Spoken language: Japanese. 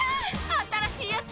新しいやつ！